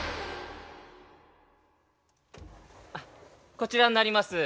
こちらになります。